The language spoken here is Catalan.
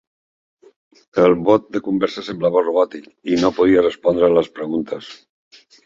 El bot de conversa semblava robòtic i no podia respondre les preguntes.